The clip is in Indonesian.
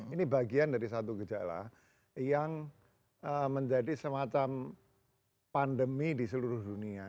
ini bagian dari satu gejala yang menjadi semacam pandemi di seluruh dunia